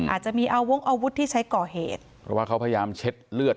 อาจจะมีอาวงอาวุธที่ใช้ก่อเหตุเพราะว่าเขาพยายามเช็ดเลือด